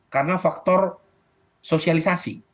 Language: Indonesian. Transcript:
karena faktor sosialisasi